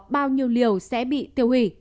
bao nhiêu liều sẽ bị tiêu hủy